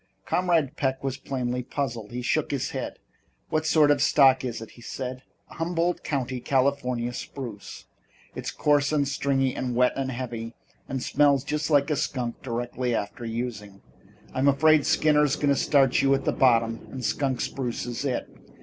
Comrade Peck was plainly puzzled. He shook his head. "What sort of stock is it?" he asked. "Humboldt County, California, spruce, and it's coarse and stringy and wet and heavy and smells just like a skunk directly after using. I'm afraid Skinner's going to start you at the bottom and skunk spruce is it.